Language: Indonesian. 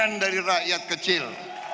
sumbangan dari rakyat kecil